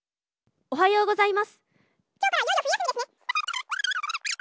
おはようございます！」